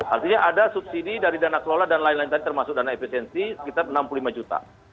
artinya ada subsidi dari dana kelola dan lain lain tadi termasuk dana efisiensi sekitar enam puluh lima juta